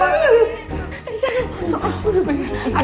soal aku udah berani